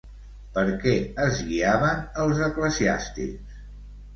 Per què es guiaven els eclesiàstics?